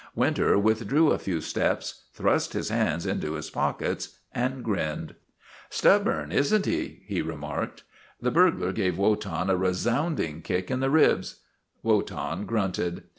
Winter withdrew a few steps, thrust his hands into his pockets, and grinned. ' Stubborn, is n't he? " he remarked. The burglar gave Wotan a resounding kick in the ribs. Wotan grunted.